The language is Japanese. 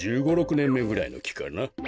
１５６ねんめぐらいのきかな。